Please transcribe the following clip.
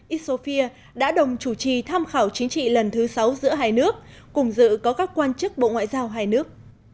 isofia đã đồng chủ trì tham khảo chính trị lần thứ sáu giữa hai nước cùng dự có các quan chức bộ ngoại giao hai nước